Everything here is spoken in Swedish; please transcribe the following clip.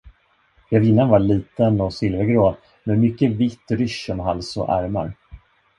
Grevinnan var liten och silvergrå med mycket vitt rysch om hals och ärmar.